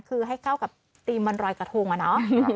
คือให้เข้ากับธีมวันรอยกระทงอะเนาะ